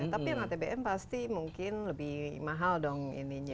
tapi yang atbm pasti mungkin lebih mahal dong ininya